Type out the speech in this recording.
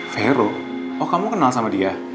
vero oh kamu kenal sama dia